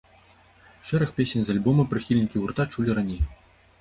Шэраг песень з альбома прыхільнікі гурта чулі раней.